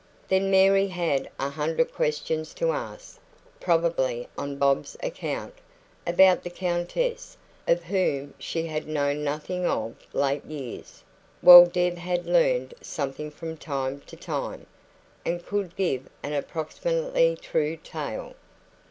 Then Mary had a hundred questions to ask (probably on Bob's account) about the Countess, of whom she had known nothing of late years, while Deb had learned something from time to time, and could give an approximately true tale.